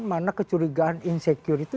mana kecurigaan insecure itu